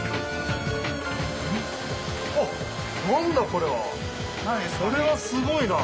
これはすごいな！